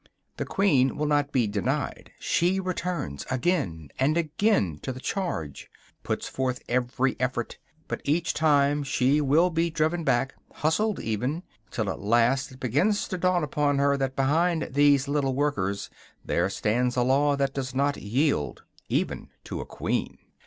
The queen will not be denied; she returns again and again to the charge, puts forth every effort; but each time she will be driven back, hustled even, till at last it begins to dawn upon her that behind these little workers there stands a law that does not yield even to a queen.